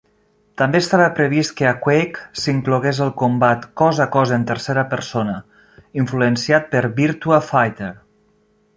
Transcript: També estava previst que a "Quake" s'inclogués el combat cos a cos en tercera persona, influenciat per "Virtua Fighter".